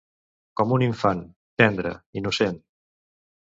Com un infant, tendre, innocent...